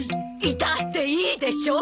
いたっていいでしょ！